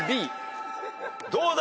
どうだ？